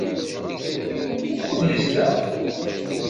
Wukud yezdeɣ?